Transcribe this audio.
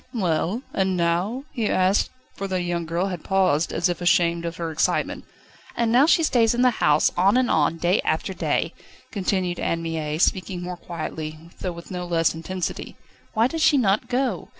"Well? And now?" he asked, for the young girl had paused, as if ashamed of her excitement. "And now she stays in the house, on and on, day after day," continued Anne Mie, speaking more quietly, though with no less intensity. "Why does she not go?